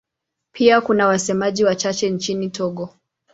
Pia kuna wasemaji wachache nchini Togo.